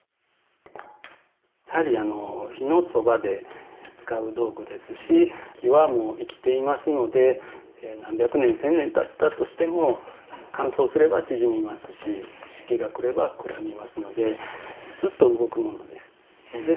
やはりあの火のそばで使う道具ですし木はもう生きていますので何百年千年たったとしても乾燥すれば縮みますし湿気が来れば膨らみますのでずっと動くものです。